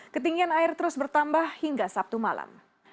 ketinggian air terus bertambah hingga sabtu malam